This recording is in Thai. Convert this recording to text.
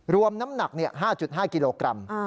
รวมน้ำหนักเนี่ย๕๕กิโลกรัม